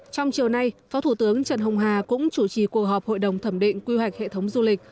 trong chiều nay phó thủ tướng trần hồng hà cũng chủ trì cuộc họp hội đồng thẩm định quy hoạch hệ thống du lịch